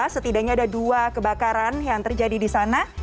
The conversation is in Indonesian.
setidaknya ada dua kebakaran yang terjadi di sana